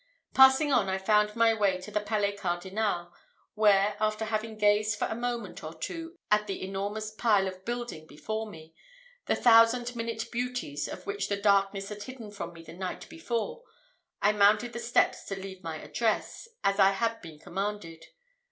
Passing on, I found my way to the Palais Cardinal, where, after having gazed for a moment or two at the enormous pile of building before me, the thousand minute beauties of which the darkness had hidden from me the night before, I mounted the steps to leave my address, as I had been commanded.